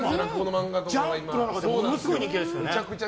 「ジャンプ」の中でものすごい人気ですね。